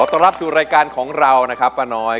ต้อนรับสู่รายการของเรานะครับป้าน้อย